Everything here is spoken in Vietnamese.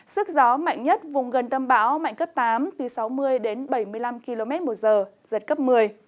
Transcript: sức gió mạnh nhất vùng gần tâm bão mạnh cấp tám từ sáu mươi đến bảy mươi năm km một giờ giật cấp một mươi